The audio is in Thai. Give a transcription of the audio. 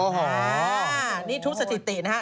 โอ้โหนี่ทุกสถิตินะฮะ